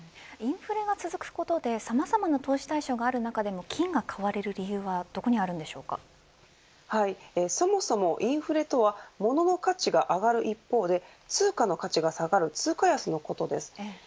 インフレが続くことでさまざまな投資対象がある中でも金は買われる理由はそもそもインフレとは物の価値が上がる一方で通貨の価値が下がる通貨安のことです。